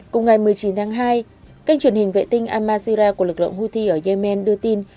cùng ngày một mươi chín tháng hai kênh truyền hình vệ tinh amazira của lực lượng houthi ở yemen đưa tin